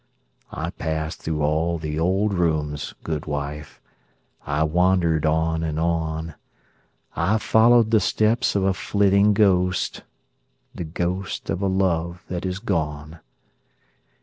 I passed through all the old rooms, good wife; I wandered on and on; I followed the steps of a flitting ghost, The ghost of a love that is gone.